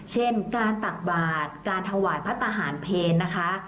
เช่นการตักบาทการถวายพระทหารเพลนะคะ